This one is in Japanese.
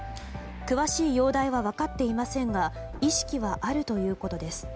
詳しい容体は分かっていませんが意識はあるということです。